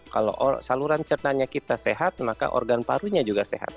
kalau saluran cernanya kita sehat maka organ parunya juga sehat